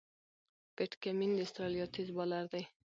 پیټ کمېن د استرالیا تېز بالر دئ.